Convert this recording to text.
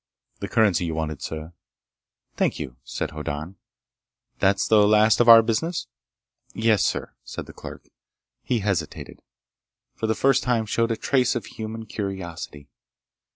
"The currency you wanted, sir." "Thank you," said Hoddan. "That's the last of our business?" "Yes, sir," said the clerk. He hesitated, and for the first time showed a trace of human curiosity.